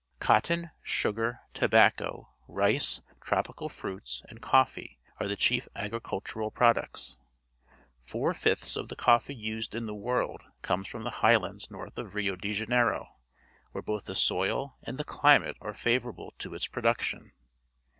Cotton, sugar, tobacco, rice, tropical fruits, and coffee are the cliief agricultural products. Four flfths of the coffee ased in the world comes from the highlands north of Rio de Janeiro, where both the soil and the climate are favourable to its production.